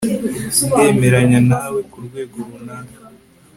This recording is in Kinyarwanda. ndemeranya nawe kurwego runaka